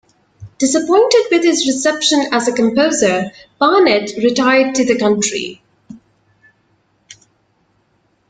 Disappointed with his reception as a composer, Barnett retired to the country.